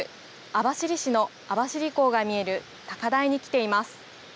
網走市の網走港が見える高台に来ています。